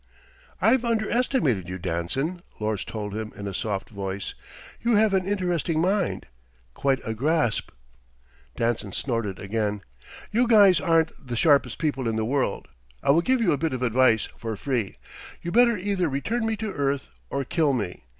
"I've underestimated you, Danson," Lors told him in a soft voice. "You have an interesting mind. Quite a grasp." Danson snorted again. "You guys aren't the sharpest people in the world. I will give you a bit of advice, for free. You better either return me to earth, or kill me.